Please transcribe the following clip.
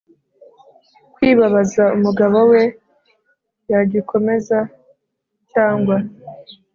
Kwibabaza umugabo we yagikomeza cyangwa